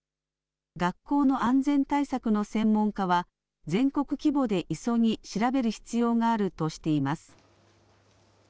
学校の安全対策の専門家は、全国規模で急ぎ調べる必要があるとしています。